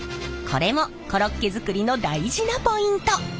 これもコロッケ作りの大事なポイント！